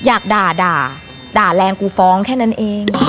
อยากด่าด่าแรงกูฟ้องแค่นั้นเอง